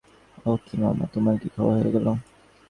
ও কি মামা, তোমার কি খাওয়া হয়ে গেল?